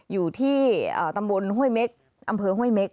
อยู่ที่ตำบลห้วยเม็กอำเภอห้วยเม็ก